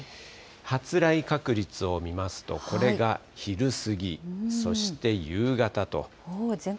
発雷確率を見ますと、これが昼過ぎ、そして夕方と。